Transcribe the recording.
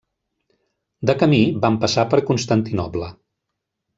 De camí, van passar per Constantinoble.